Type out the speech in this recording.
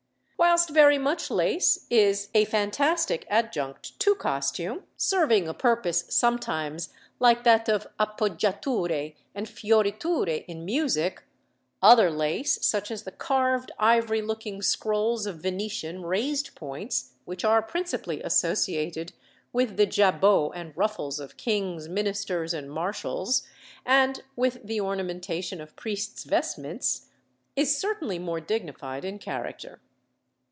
Whilst very much lace is a fantastic adjunct to costume, serving a purpose sometimes like that of appoggiature and fioriture in music, other lace, such as the carved ivory looking scrolls of Venetian raised points, which are principally associated with the jabots and ruffles of kings, ministers, and marshals, and with the ornamentation of priests' vestments, is certainly more dignified in character.